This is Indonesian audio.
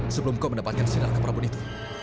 sebelum kau mendapatkan sinar ke prabun itu